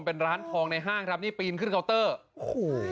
เป็นร้านทองในห้างครับนี่ปีนขึ้นเคาน์เตอร์โอ้โห